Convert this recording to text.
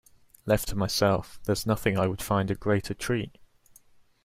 Left to myself, there is nothing I would find a greater treat.